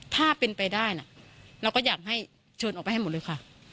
ถ้าเป็นไปได้นะเราก็อยากให้เชิญออกไปให้หมดเลยค่ะ